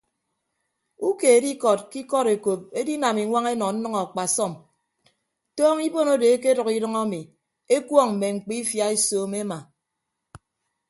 Ukeed ikọd ke ikọd ekop edinam iñwañ enọ nnʌñ akpasọm tọọñọ ibon odo ekedʌk idʌñ ami ekuọñ mme mkpiifia esoomo ema.